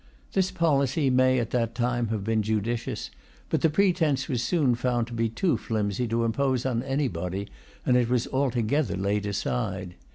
This policy may, at that time, have been judicious. But the pretence was soon found to be too flimsy to impose on anybody; and it was altogether laid aside.